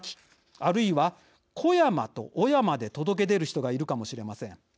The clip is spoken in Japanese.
あるいは「コヤマ」と「オヤマ」で届け出る人がいるかもしれません。